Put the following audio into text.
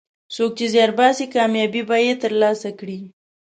څوک چې زیار باسي، کامیابي به یې ترلاسه کړي.